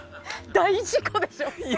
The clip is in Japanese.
大事故でしょ。